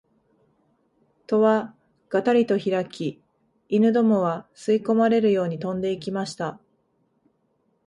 戸はがたりとひらき、犬どもは吸い込まれるように飛んで行きました